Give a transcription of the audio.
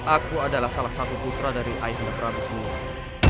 aku adalah salah satu putra dari aisla prabu semua